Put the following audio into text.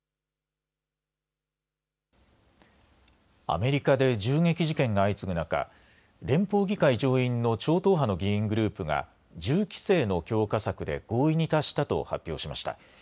アメリカで銃撃事件が相次ぐ中、連邦議会上院の超党派の議員グループが銃規制の強化策で合意に達したと発表しました。